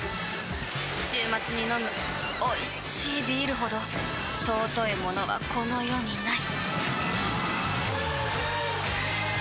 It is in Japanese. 週末に飲むおいしいビールほど尊いものはこの世にない！